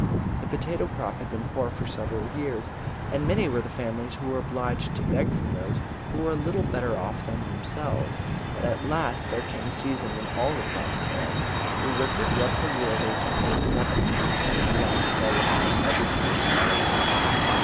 The potato crop had been poor for several years, and many were the families who were obliged to beg from those who were a little better off than themselves. But at last there came a season when all the crops failed. It was the dreadful year of 1847, when the blight fell upon every part of Ireland.